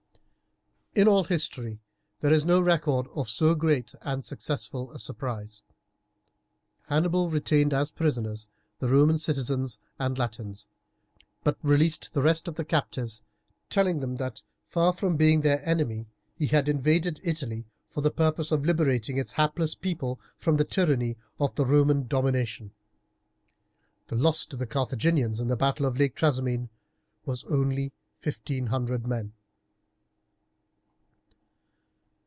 In all history there is no record of so great and successful a surprise. Hannibal retained as prisoners the Roman citizens and Latins, but released the rest of the captives, telling them that, far from being their enemy, he had invaded Italy for the purpose of liberating its helpless people from the tyranny of the Roman domination. The loss to the Carthaginians in the battle of Lake Trasimene was only fifteen hundred men.